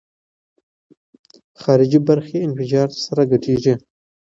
خارجي برخې انفجار سره ګډېږي.